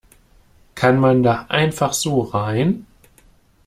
Kann man da einfach so rein?